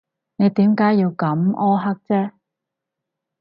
你點解要咁苛刻啫？